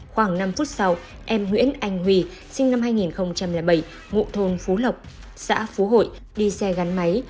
khoảng năm phút sau em nguyễn anh huy sinh năm hai nghìn bảy ngụ thôn phú lộc xã phú hội đi xe gắn máy